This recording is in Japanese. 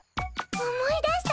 思い出した？